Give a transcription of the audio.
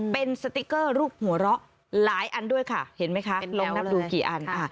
เป็นสติ๊กเกอร์รูปหัวเราะหลายอันด้วยค่ะเห็นไหมคะลองนับดูกี่อัน